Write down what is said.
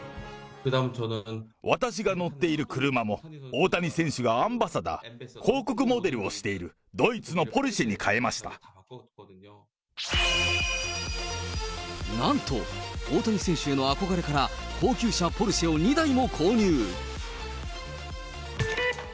私が乗っている車も、大谷選手がアンバサダー・広告モデルをしているドイツのポルシェなんと、大谷選手への憧れから、高級車ポルシェを２台も購入。